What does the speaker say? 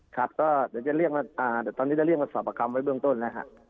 ครับตอนนี้จะเรียกมาสอบประคับไว้เบื้องต้นนะครับ